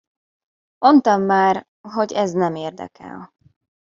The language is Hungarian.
Mondtam már, hogy ez nem érdekel.